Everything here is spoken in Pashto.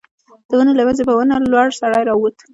د ونو له مينځه په ونه لوړ سړی را ووت.